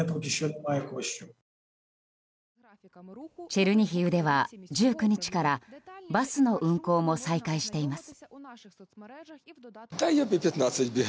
チェルニヒウでは１９日からバスの運行も再開しています。